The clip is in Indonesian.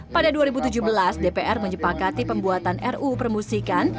pada dua ribu tujuh belas dpr menyepakati pembuatan ruu permusikan